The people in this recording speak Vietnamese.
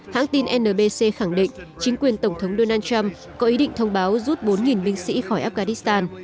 hãng tin nbc khẳng định chính quyền tổng thống donald trump có ý định thông báo rút bốn binh sĩ khỏi afghanistan